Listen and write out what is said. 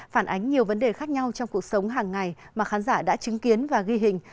phản ánh nhiều vấn đề khác nhau trong cuộc sống hàng ngày mà khán giả đã chứng kiến và ghi hình